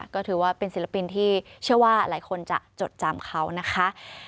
ก็ถือว่าเป็นศิลปินที่เชื่อว่าหลายคนจะจดจำเขานะคะ